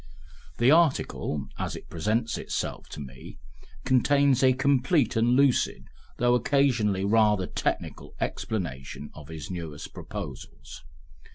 The article, as it presents itself to me, contains a complete and lucid, though occasionally rather technical, explanation of his newest proposals.